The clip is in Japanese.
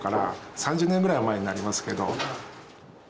３０年ぐらい前になりますけど。